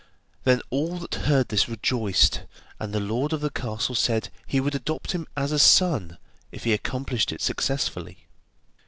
Then all who heard this rejoiced, and the lord of the castle said he would adopt him as a son if he accomplished it successfully.